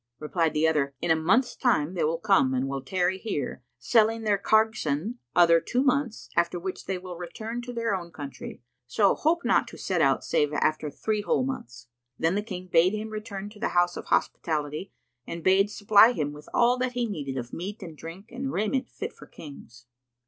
Replied the other, "In a month's time they will come and will tarry here, selling their cargueson, other two months, after which they will return to their own country; so hope not to set out save after three whole months." Then the King bade him return to the house of hospitality and bade supply him with all that he needed of meat and drink and raiment fit for Kings.